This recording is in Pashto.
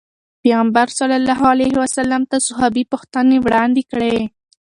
پيغمبر صلي الله علیه وسلم ته صحابي پوښتنې وړاندې کړې.